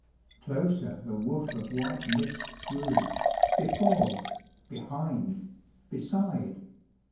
Closer the woof of white mist drew, Before, behind, beside.